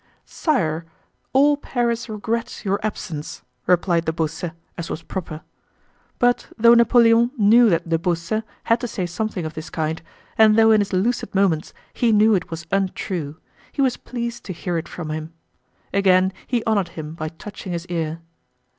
"Sire, all Paris regrets your absence," replied de Beausset as was proper. But though Napoleon knew that de Beausset had to say something of this kind, and though in his lucid moments he knew it was untrue, he was pleased to hear it from him. Again he honored him by touching his ear.